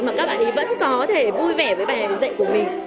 mà các bạn ấy vẫn có thể vui vẻ với bài dạy của mình